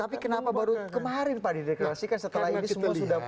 tapi kenapa baru kemarin pak dideklarasikan setelah ini semua sudah